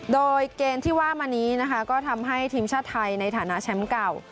โดยเกมที่ว่ามานี้นะคะก็ทำให้ทีมชาติไทยในฐานะแชมป์เก่า